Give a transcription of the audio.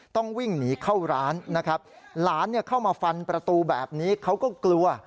ต้องวิ่งหนีเข้าร้านนะครับหลานเข้ามาฟันประตูแบบนี้เขาก็กลัว